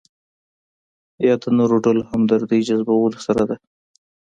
یا د نورو ډلو همدردۍ جذبولو سره ده.